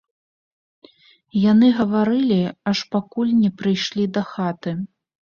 Яны гаварылі, аж пакуль не прыйшлі да хаты.